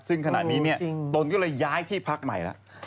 ซึ่งขณะนี้เนี่ยตนก็เลยย้ายที่พักใหม่แล้ว